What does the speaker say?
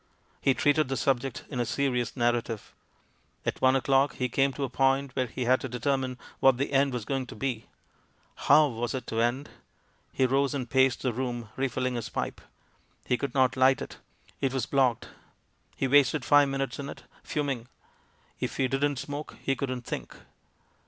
He treated the subject in a serious narrative. At one o'clock he came to a point where he had to determine what the end was going to be. How was it to end? He rose and paced the room, re filhng his pipe. He could not light it — ^it was WITH INTENT TO DEFRAUD 237 blocked. He wasted five minutes on it, fuming. If he didn't smoke, he couldn't think.